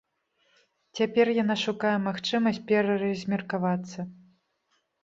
Цяпер яна шукае магчымасць пераразмеркавацца.